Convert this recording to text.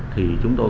thì chúng tôi